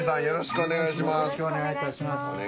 よろしくお願いします。